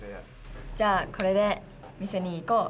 じゃあこれで見せに行こう。